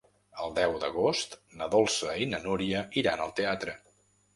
El deu d'agost na Dolça i na Núria iran al teatre.